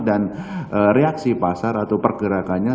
dan reaksi pasar atau pergerakannya